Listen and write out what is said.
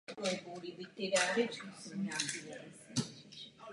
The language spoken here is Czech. Nezmiňuje se o jejich zločinech na životním prostředí.